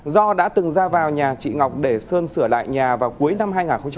do đã từng ra vào nhà chị ngọc để sơn sửa lại nhà vào cuối năm hai nghìn một mươi chín